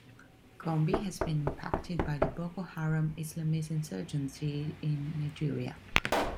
Gombe has been impacted by the Boko Haram Islamist insurgency in Nigeria.